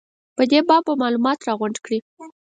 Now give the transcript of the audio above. په دې باب به معلومات راغونډ کړي.